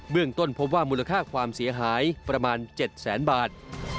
เรื่องต้นพบว่ามูลค่าความเสียหายประมาณ๗แสนบาท